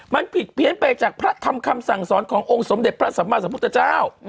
มันผิดเพี้ยนไปจากพระธรรมคำสั่งสอนขององค์สมเด็จพระสัมมาสัมพุทธเจ้า